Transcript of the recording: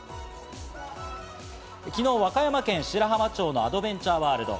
昨日、和歌山県白浜町のアドベンチャーワールド。